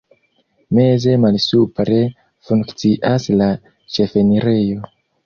Meze malsupre funkcias la ĉefenirejo.